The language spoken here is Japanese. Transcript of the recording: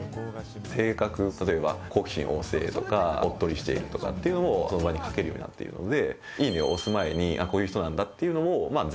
性格、例えば好奇心旺盛とか、おっとりしてるとか書けるようになっているので。